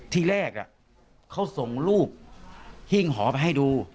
ที่แรกเขาส่งรูปหิ้งหอไปให้ดู